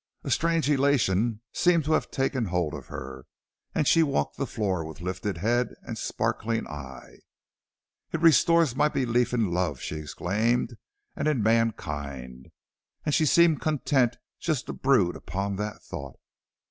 A strange elation seemed to have taken hold of her, and she walked the floor with lifted head and sparkling eye. "It restores my belief in love," she exclaimed, "and in mankind." And she seemed content just to brood upon that thought.